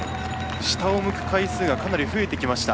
下を向く回数がかなり増えてきました。